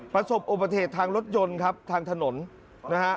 ประสบโอปเทศทางรถยนต์ครับทางถนนนะฮะ